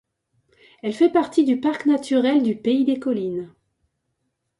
Elle fait partie du parc naturel du Pays des collines.